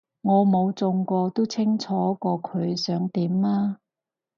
我冇中過都清楚過佢想點啊